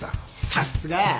さっすが。